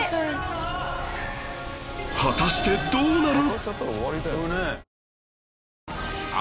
果たしてどうなる！？